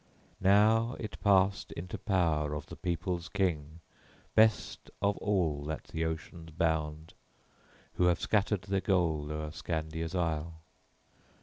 Now it passed into power of the people's king, best of all that the oceans bound who have scattered their gold o'er Scandia's isle.